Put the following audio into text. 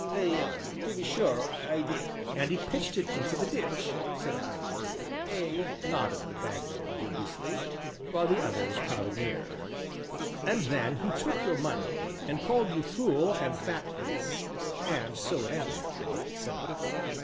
"Ay, to be sure I did " "And he pitched it into the ditch," said I. "Ay," nodded the Bagman dubiously, while the others crowded nearer. "And then he took your money, and called you 'Fool' and 'Fatface,' and so it ended," said I.